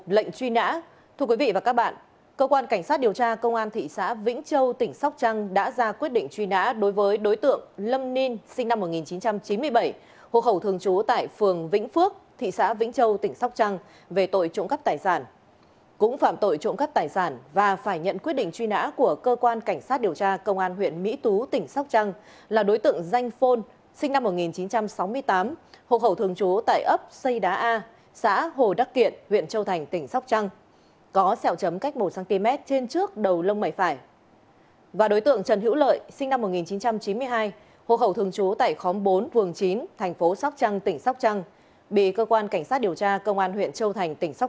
lệnh truy nã thưa quý vị và các bạn cơ quan cảnh sát điều tra công an thị xã vĩnh châu tỉnh sóc trăng đã ra quyết định truy nã đối với đối tượng lâm ninh sinh năm một nghìn chín trăm chín mươi tám hộ khẩu thường trú tại phường vĩnh phước thị xã vĩnh phước thị xã vĩnh phước thị xã vĩnh phước thị xã vĩnh phước thị xã vĩnh phước thị xã vĩnh phước thị xã vĩnh phước